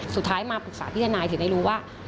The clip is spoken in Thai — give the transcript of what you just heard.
สุดท้ายมาปรึกษาพี่ทนายถึงได้รู้ว่า